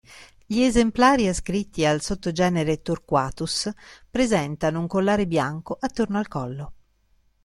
Gli esemplari ascritti al sottogenere "Torquatus" presentano un collare bianco attorno al collo.